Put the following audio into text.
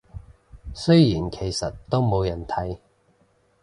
雖然其實都冇人睇